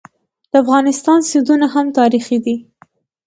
د افغانستان سیندونه هم تاریخي دي.